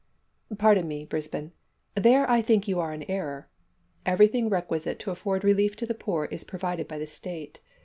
"Pardon me, Brisbane, there I think you are in error. Everything requisite to afford relief to the poor is provided by the state.